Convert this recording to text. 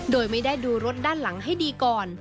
โดยไม่ได้ดูรถด้านหลังให้ดีก่อน